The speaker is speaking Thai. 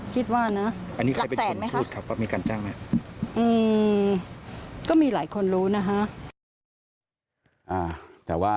คิดว่านะ